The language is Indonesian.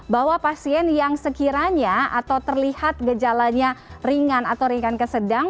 bahwa pasien yang sekiranya atau terlihat gejalanya ringan atau ringan ke sedang